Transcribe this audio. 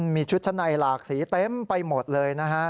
มีชุดชั้นในหลากสีเต็มไปหมดเลยนะฮะ